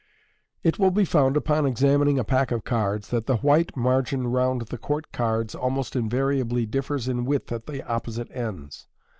— It will be found apon examining a pack of cards, that the white margin round the court cards almost invariably differs in width at the opposite ends.